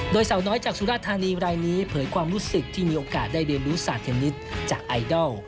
โดยสาวน้อยจากสุรธานีรายนี้เผยความรู้สึกที่มีโอกาสได้เรียนรู้ศาสตร์เทนนิสจากไอดอล